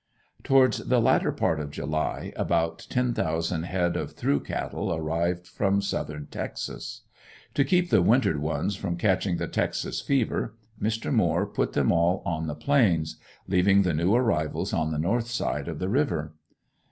Towards the latter part of July about ten thousand head of "through" cattle arrived from southern Texas. To keep the "wintered" ones from catching the "Texas fever," Mr. Moore put them all on the Plains, leaving the new arrivals on the north side of the river.